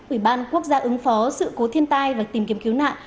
ủy ban quốc gia ứng phó sự cố thiên tai và tìm kiếm cứu nạn